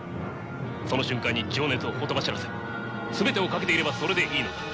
その瞬間に情熱をほとばしらせ全てを懸けていればそれでいいのだ。